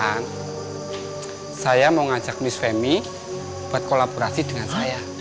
nah saya mau ngajak mis femi buat kolaborasi dengan saya